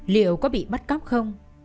liệu có bị bắt cóc không